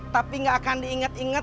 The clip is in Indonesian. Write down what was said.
tapi nggak akan diinget inget